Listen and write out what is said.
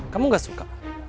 kamu gak suka